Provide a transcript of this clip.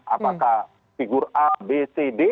apakah figur a b c d